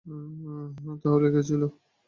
তাহলে কে ছিলো?